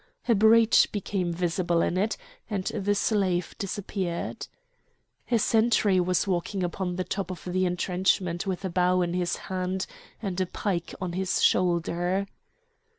A breach became visible in it, and the slave disappeared. A sentry was walking upon the top of the entrenchment with a bow in his hand and a pike on his shoulder.